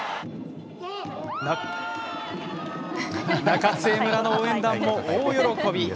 中津江村の応援団も大喜び。